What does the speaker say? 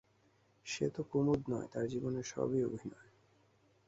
সে তো কুমুদ নয়, তার জীবনে সবই অভিনয়।